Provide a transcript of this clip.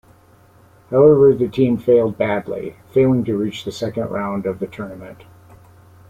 However the team failed badly, failing to reach the second round of the tournament.